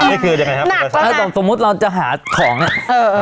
นี่คือยังไงครับเออแต่สมมุติเราจะหาของอ่ะเออ